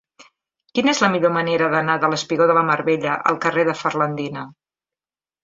Quina és la millor manera d'anar del espigó de la Mar Bella al carrer de Ferlandina?